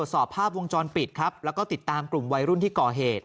สอบภาพวงจรปิดครับแล้วก็ติดตามกลุ่มวัยรุ่นที่ก่อเหตุ